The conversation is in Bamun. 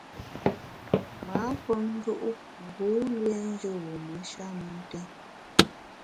M’â pe ngù u ngu lienjù wume sha mentèn.